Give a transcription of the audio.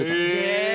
へえ！